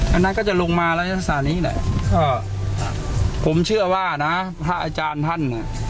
อันนั้นก็จะลงมาลักษณะนี้แหละก็ผมเชื่อว่านะพระอาจารย์ท่านอ่ะ